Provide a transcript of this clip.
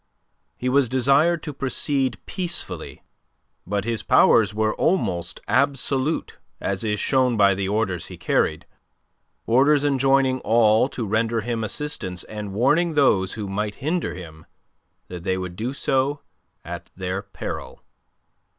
He was desired to proceed peacefully, but his powers were almost absolute, as is shown by the orders he carried orders enjoining all to render him assistance and warning those who might hinder him that they would do so at their peril.